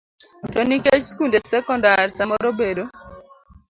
To nikech skunde sekondar samoro bedo